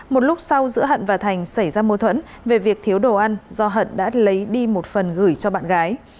một lúc sau giữa hận và thành xảy ra mâu thuẫn về việc thiếu đồ ăn do hận đã lấy đi một phần gửi cho bạn gái